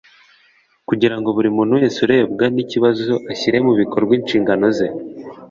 kugirango buri muntu wese urebwa n’iki kibazo ashyire mu bikorwa inshingano ze